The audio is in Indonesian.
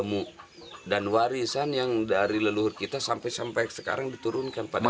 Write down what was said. ilmu dan warisan yang dari leluhur kita sampai sampai sekarang diturunkan pada saat